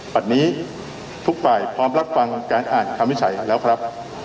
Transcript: บัตรนี้ทุกฝ่ายพร้อมรับฟังการอ่านคำวิจัยแล้วครับ